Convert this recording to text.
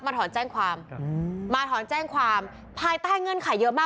ถอนแจ้งความมาถอนแจ้งความภายใต้เงื่อนไขเยอะมาก